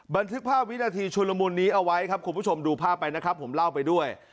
บันทึกภาพวินาทีชุลมุนนี้เอาไว้ครับคุณผู้ชมดูภาพไปนะครับผมเล่าไปด้วย